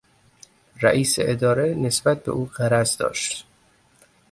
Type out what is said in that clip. رئیس اداره نسبت به او غرض داشت.